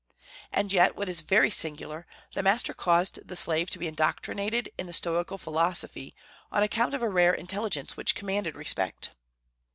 And yet, what is very singular, the master caused the slave to be indoctrinated in the Stoical philosophy, on account of a rare intelligence which commanded respect.